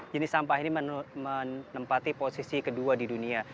jenis sampah ini menempati posisi kedua di dunia